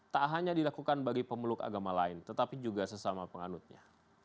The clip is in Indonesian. tak hanya dilakukan bagi pemeluk agama lain tetapi juga sesama penganutnya